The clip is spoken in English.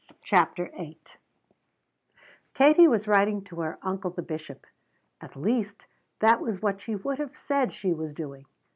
CHAPTER VIII Katie was writing to her uncle the Bishop. At least that was what she would have said she was doing.